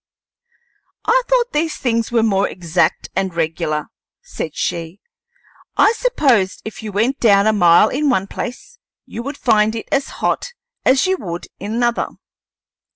"I thought these things were more exact and regular," said she; "I supposed if you went down a mile in one place, you would find it as hot as you would in another."